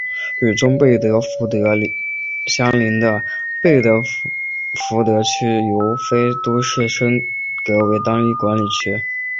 与中贝德福德郡相邻的贝德福德区由非都市区升格为单一管理区。